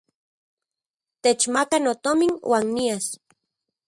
Techmaka notomin uan nias.